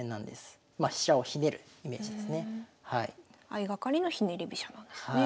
相掛かりのひねり飛車なんですね。